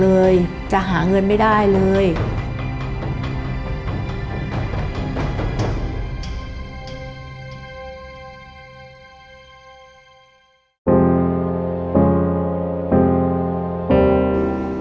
แล้วนี้ก็จะเป็นสองหมื่นห้าแล้ว